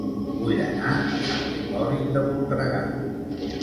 Vull anar a Sant Hipòlit de Voltregà